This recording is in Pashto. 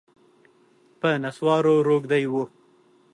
په نسوارو روږدی و